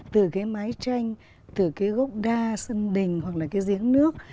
từ cái mái tranh từ cái gốc đa sân đình hoặc là cái giếng nước